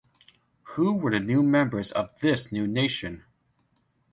Who were the new members of this new nation?